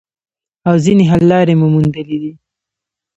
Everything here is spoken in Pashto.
او ځینې حل لارې مو موندلي دي